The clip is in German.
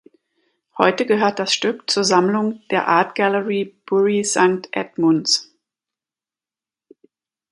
Heute gehört das Stück zur Sammlung der Art Gallery Bury St Edmunds.